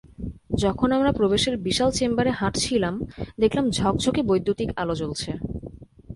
যখন আমরা প্রবেশের বিশাল চেম্বারে হাঁটছিলাম, দেখলাম ঝকঝকে বৈদ্যুতিক আলো জ্বলছে।